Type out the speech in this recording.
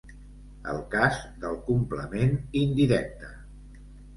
El cas del complement indirecte.